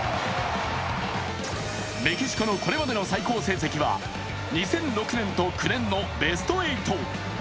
メキシコのこれまでの最高成績は２００６年と２００９年のベスト８。